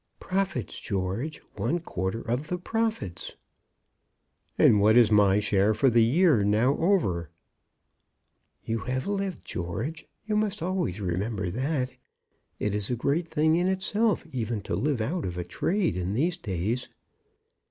"Profits, George; one quarter of the profits." "And what is my share for the year now over?" "You have lived, George; you must always remember that. It is a great thing in itself even to live out of a trade in these days.